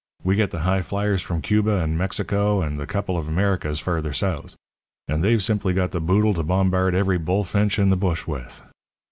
We get the highfliers from Cuba and Mexico and the couple of Americas farther south; and they've simply got the boodle to bombard every bulfinch in the bush with.'